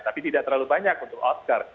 tapi tidak terlalu banyak untuk outdoor